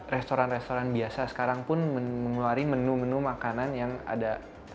restoran restoran biasa sekarang pun mengeluarkan menu menu makanan yang ada